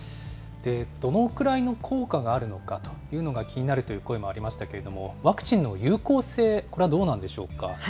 どのくらいの効果があるのかというのが気になるという声もありましたけれども、ワクチンの有効性、これはどうなんでしょうか。